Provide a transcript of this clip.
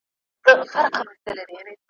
شپه او ورځ په یوه بل پسي لګیا وي `